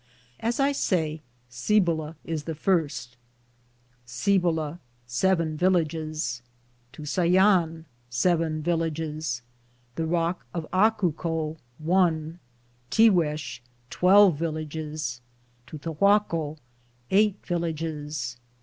1 As I say, Cibola is the first: Cibola, seven villages. Tusayan, seven villages.. The rock of Acuco, one. Tiguex, twelve villages. Tutahaco, eight villages.